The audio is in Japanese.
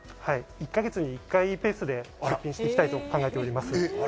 １か月に１回ペースで出品していきたいと考えております。